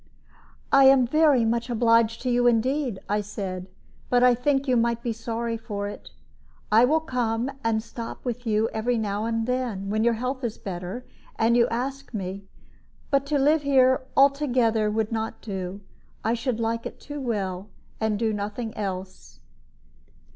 "I am very much obliged to you indeed," I said, "but I think you might be sorry for it. I will come and stop with you every now and then, when your health is better, and you ask me. But to live here altogether would not do; I should like it too well, and do nothing else."